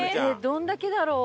どれだけだろう？